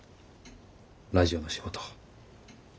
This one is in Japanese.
ラジオの仕事。